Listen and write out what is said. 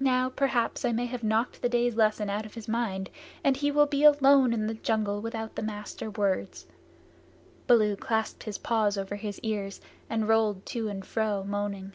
Now perhaps I may have knocked the day's lesson out of his mind, and he will be alone in the jungle without the Master Words." Baloo clasped his paws over his ears and rolled to and fro moaning.